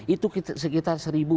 itu sekitar seribu